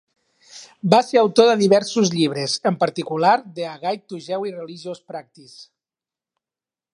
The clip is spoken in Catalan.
Va ser autor de diversos llibres, en particular, de 'A Guide to Jewish Religious Practice'.